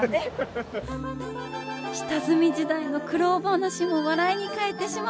下積み時代の苦労話も笑いに変えてしまう上沼さん